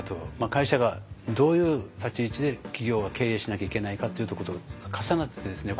会社がどういう立ち位置で企業は経営しなきゃいけないかっていうとこと重なってですね。